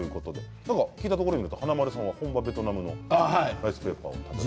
聞いたところによると華丸さんは本場ベトナムのライスペーパーを。